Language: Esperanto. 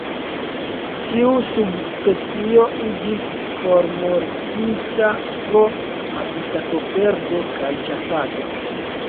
Tiu subspecio iĝis formortinta pro habitatoperdo kaj ĉasado.